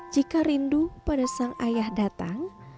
jika rindu pada sang ayah datang